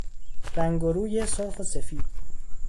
رنگ و روی سرخ و سفید